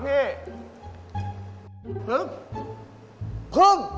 เพิ่งเพิ่ง